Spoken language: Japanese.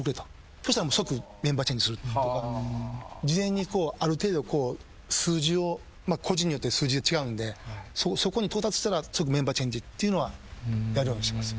そうしたら即メンバーチェンジするとか事前にある程度数字を個人によって数字が違うんでそこに到達したら即メンバーチェンジっていうのはやるようにしてます